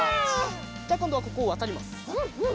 じゃあこんどはここをわたります。